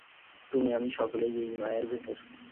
তুমি আমি সকলেই এই মায়ার ভেতর।